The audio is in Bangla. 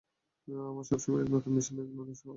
আমার সবসময় এক নতুন মিশন, এক নতুন শহর।